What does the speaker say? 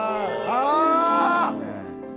ああ！